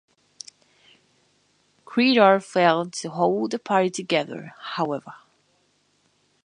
Crerar failed to hold the party together, however.